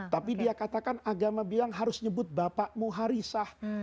tapi dia katakan agama bilang harus nyebut bapakmu harisyah